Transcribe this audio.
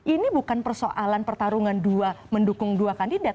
ini bukan persoalan pertarungan dua mendukung dua kandidat